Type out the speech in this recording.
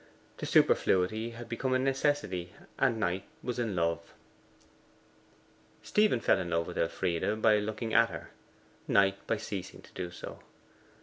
The superfluity had become a necessity, and Knight was in love. Stephen fell in love with Elfride by looking at her: Knight by ceasing to do so.